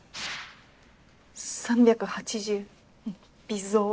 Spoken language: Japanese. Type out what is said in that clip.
３８０うん微増。